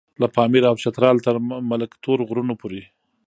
له پاميره او چتراله تر ملک تور غرونو پورې.